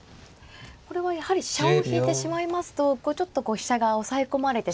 これはやはり飛車を引いてしまいますとちょっとこう飛車が押さえ込まれてしまう。